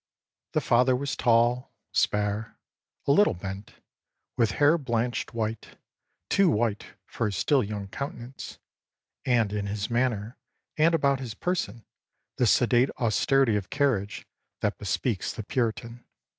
The father was tall, spare, a little bent, with hair blanched white; too white for his still young countenance, and in his manner and about his person the sedate austerity of carriage that bespeaks the Puritan.